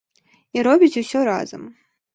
І робяць усё разам.